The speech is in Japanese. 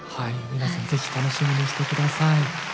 皆さん是非楽しみにしてください。